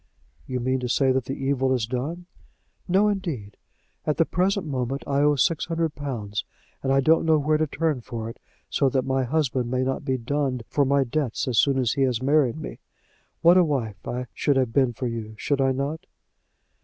"You mean to say that the evil is done." "No, indeed. At the present moment I owe six hundred pounds, and I don't know where to turn for it, so that my husband may not be dunned for my debts as soon as he has married me. What a wife I should have been for you; should I not?"